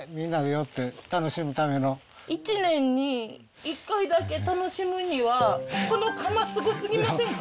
１年に１回だけ楽しむにはこの窯スゴすぎませんか？